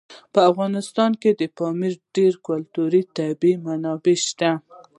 په افغانستان کې د پامیر ډېرې ګټورې طبعي منابع شته دي.